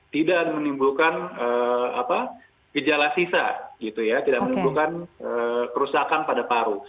tidak menimbulkan gejala sisa tidak menimbulkan kerusakan pada paru